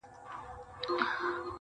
د يو ښايستې سپيني كوتري په څېر,